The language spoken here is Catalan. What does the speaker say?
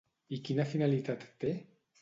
I quina finalitat té?